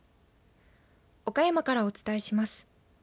岡山からお伝えします。